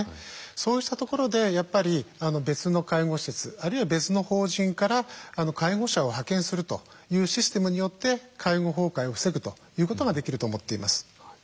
そうしたところでやっぱり別の介護施設あるいは別の法人から介護者を派遣するというシステムによって介護崩壊を防ぐということができると思っています。